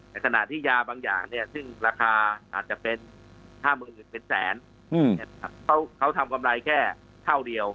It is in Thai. ขณะที่ยาบางอย่างเนี่ยซึ่งราคาอาจจะเป็น๕๐๐๐เป็นแสนเขาทำกำไรแค่เท่าเดียว